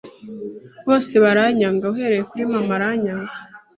bose baranyanga uhereye kuri mama aranyanga